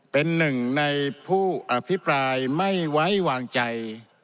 เป็นหนึ่งในผู้อภิปรายไม่ไว้วางใจ